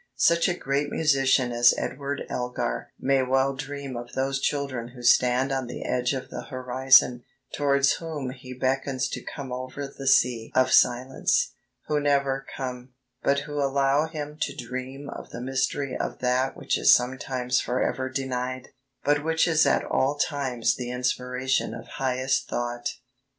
Such a great musician as Edward Elgar may well dream of those children who stand on the edge of the horizon, towards whom he beckons to come over the sea of silence who never come, but who allow him to dream of the mystery of that which is sometimes forever denied, but which is at all times the inspiration of highest thought."